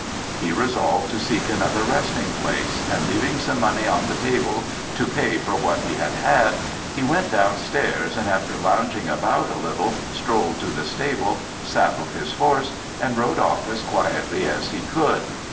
He resolved to seek another resting place; and leaving some money on the table to pay for what he had had, he went down stairs, and after lounging about a little, strolled to the stable, saddled his horse, and rode off as quietly as he could.